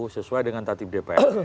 sesuai dengan tatib dpr